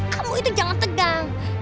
kamu itu jangan tegang